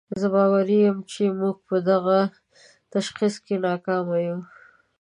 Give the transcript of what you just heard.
زه باوري یم چې موږ په دغه تشخیص کې ناکامه یو.